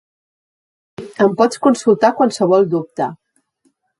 Sí, ens pot consultar qualsevol dubte.